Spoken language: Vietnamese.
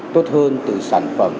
tốt hơn từ sản phẩm